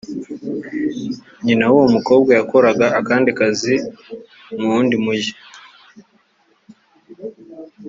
nyina w’uwo mukobwa yakoraga akazi mu wundi mujyi